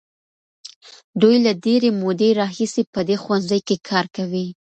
دوی له ډېرې مودې راهیسې په دې ښوونځي کې کار کوي.